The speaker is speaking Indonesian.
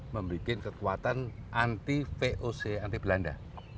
membuat kekuatan anti voc anti belanda